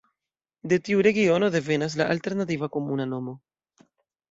De tiu regiono devenas la alternativa komuna nomo.